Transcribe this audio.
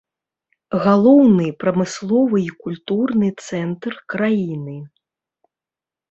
Галоўны прамысловы і культурны цэнтр краіны.